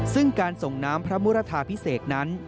ซึ่งการส่งน้ำพระมุรทาพิเศษนั้น